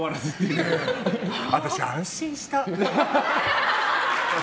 ねえ、私、安心した。